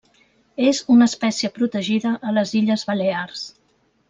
És una espècie protegida a les Illes Balears.